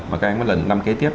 mà các em có lần năm kế tiếp